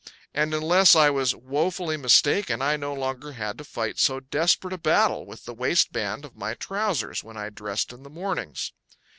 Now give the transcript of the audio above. And unless I was woefully mistaken, I no longer had to fight so desperate a battle with the waistband of my trousers when I dressed in the mornings.